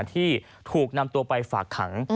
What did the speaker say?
ที่ถูกนำตัวไปฝากขัง